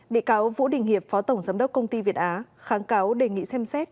bị cáo vũ đình hiệp phó tổng giám đốc công ty việt á kháng cáo đề nghị xem xét